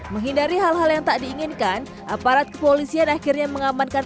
menghindari hal hal yang tak diinginkan aparat kepolisian akhirnya mengamankan